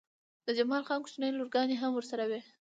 د جمال خان کوچنۍ لورګانې هم ورسره وې